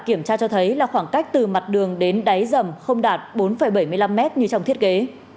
kiểm tra cho thấy là khoảng cách từ mặt đường đến đáy dầm không đạt bốn bảy mươi năm mét như trong thiết kế